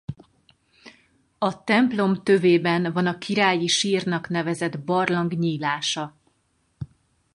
A templom tövében van a Királyi sírnak nevezett barlang nyílása.